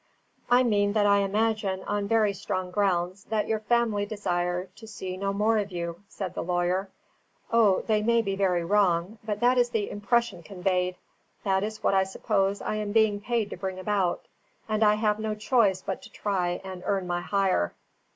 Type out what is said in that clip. "I mean that I imagine, on very strong grounds, that your family desire to see no more of you," said the lawyer. "O, they may be very wrong; but that is the impression conveyed, that is what I suppose I am paid to bring about, and I have no choice but to try and earn my hire."